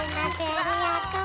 ありがとう。